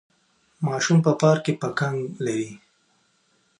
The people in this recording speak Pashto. ماشوم په پارک کې پکنک لري.